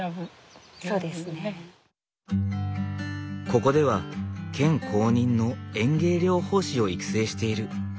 ここでは県公認の園芸療法士を育成している。